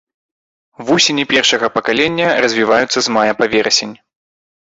Вусені першага пакалення развіваюцца з мая па верасень.